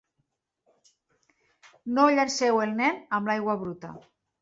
No llanceu el nen amb l'aigua bruta.